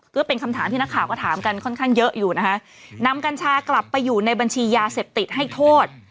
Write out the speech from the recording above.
ก็เป็นคำถามที่นักข่าวก็ถามกันค่อนข้างเยอะอยู่นะคะนำกัญชากลับไปอยู่ในบัญชียาเสพติดให้โทษ